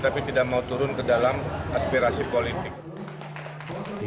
tapi tidak mau turun ke dalam aspirasi politik